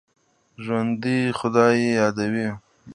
ژوندي خدای یادوي